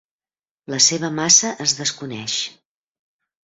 La seva massa es desconeix.